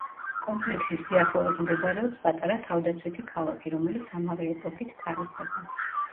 კომპლექსის სიახლოვეს მდებარეობს პატარა თავდაცვითი ქალაქი, რომელიც ამავე ეპოქით თარიღდება.